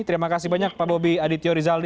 terima kasih banyak pak bobi aditya rizal